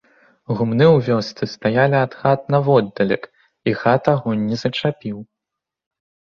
Гумны ў вёсцы стаялі ад хат наводдалек, і хат агонь не зачапіў.